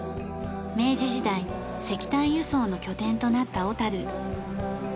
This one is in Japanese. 明治時代石炭輸送の拠点となった小樽。